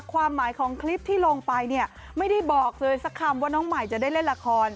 ความหมายของคลิปที่ลงไปเนี่ยไม่ได้บอกเลยสักคำว่าน้องใหม่จะได้เล่นละคร